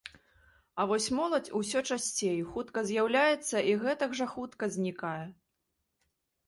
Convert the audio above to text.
А вось моладзь усё часцей хутка з'яўляецца і гэтак жа хутка знікае.